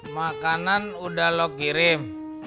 makanan udah lo kirim